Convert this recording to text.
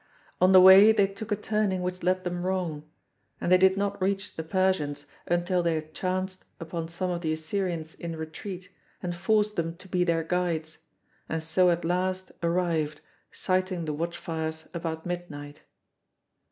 On the way they took a turning which led them wrong, and they did not reach the Persians until they had chanced upon some of the Assyrians in retreat and forced them to be their guides, and so at last arrived, sighting the watch fires about midnight.